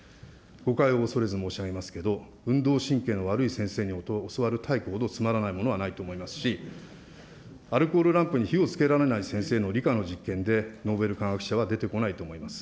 誤解をおそれず申し上げますけれども、運動神経の悪い先生に教わる体育ほどつまらないものはないと思いますし、アルコールランプに火をつけられない先生の理科の実験で、ノーベル科学者は出てこないと思います。